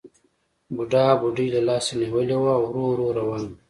بوډا بوډۍ له لاسه نیولې وه او ورو ورو روان وو